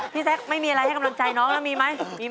พี่แซ็คไม่มีอะไรให้กำลังใจน้องนะมีไหม